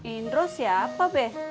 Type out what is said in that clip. indro siapa be